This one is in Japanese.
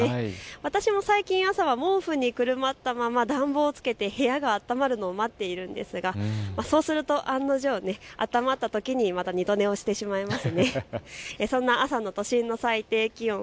私も最近、朝は毛布にくるまったまま暖房をつけて部屋が暖まるのを待っているんですがそうすると案の定あたたまったときにまた二度寝をしてしまいます。